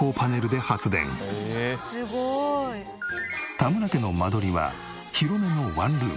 田村家の間取りは広めのワンルーム。